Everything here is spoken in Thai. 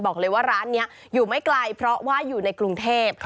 บอกเลยว่าร้านนี้อยู่ไม่ไกลเพราะว่าอยู่ในกรุงเทพ